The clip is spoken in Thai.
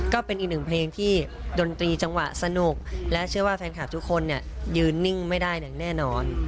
ก็เป็นอีกหนึ่งเพลงที่ดนตรีจังหวะสนุกและเชื่อว่าแฟนคลับทุกคนเนี่ยยืนนิ่งไม่ได้อย่างแน่นอน